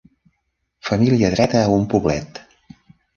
Família dreta a un poblet